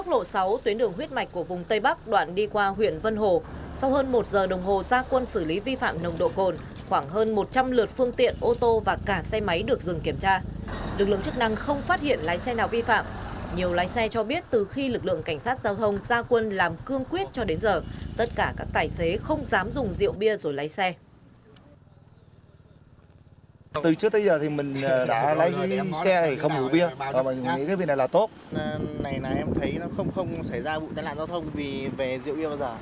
lực lượng chức năng không phát hiện lái xe nào vi phạm nhiều lái xe cho biết từ khi lực lượng cảnh sát giao thông gia quân làm cương quyết cho đến giờ tất cả các tài xế không dám dùng rượu bia rồi lái xe